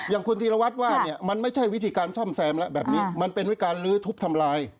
อย่างคุณธีรวัตรว่าเนี่ยมันไม่ใช่วิธีการซ่อมแซมแล้วแบบนี้มันเป็นวิการลื้อทุบทำลาย